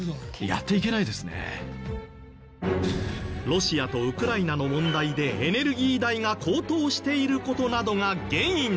ロシアとウクライナの問題でエネルギー代が高騰している事などが原因で。